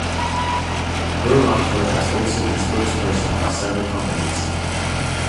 Urlacher has also been spokesperson for several companies.